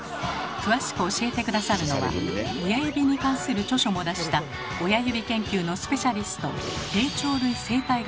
詳しく教えて下さるのは親指に関する著書も出した親指研究のスペシャリスト実は